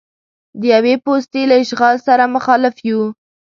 د یوې پوستې له اشغال سره مخالف یو.